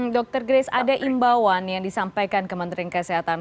dokter grace ada imbauan yang disampaikan ke menteri kesehatan